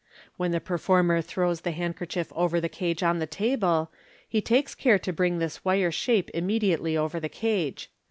When the performer throws the handkerchief over the cage on the table, he takes care to bring this wire shape immediately over the cage.